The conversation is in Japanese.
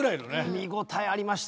見応えありました